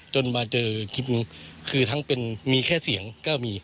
จนมาเจอคลิปหนึ่งคือทั้งเป็นมีแค่เสียงก็มี